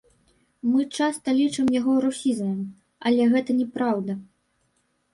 Мы часта лічым яго русізмам, але гэта не праўда.